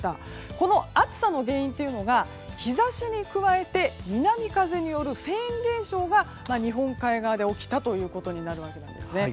この暑さの原因というのが日差しに加えて南風によるフェーン現象が日本海側で起きたということになるわけなんですね。